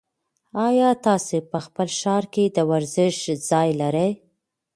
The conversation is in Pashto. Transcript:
ایا تاسي په خپل ښار کې د ورزش ځای لرئ؟